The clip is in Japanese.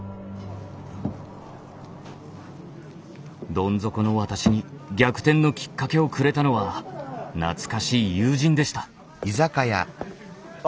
どん底の私に逆転のきっかけをくれたのは懐かしい友人でした。